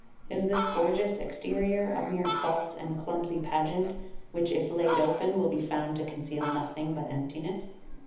is this gorgeous exterior a mere false and clumsy pageant, which if laid open will be found to conceal nothing but emptiness?